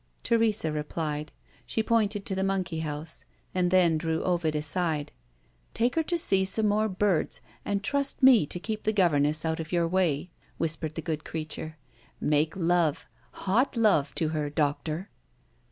Teresa replied. She pointed to the monkey house, and then drew Ovid aside. "Take her to see some more birds, and trust me to keep the governess out of your way," whispered the good creature. "Make love hot love to her, doctor!"